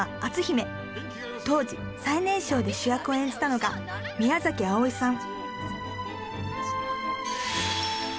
当時最年少で主役を演じたのが宮あおいさん